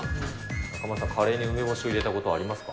中丸さん、カレーに梅干し入れたことありますか？